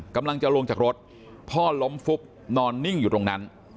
กำลังจะลงจากรถพ่อล้มฟุบนอนนิ่งอยู่ตรงนั้น